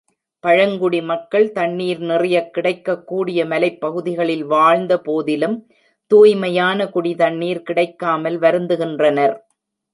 பழங்குடி மக்கள் தண்ணீர் நிறையக் கிடைக்கக் கூடிய மலைப்பகுதிகளில் வாழ்ந்த போதிலும், தூய்மையான குடி தண்ணீர் கிடைக்காமல் வருந்துகின்றனர்.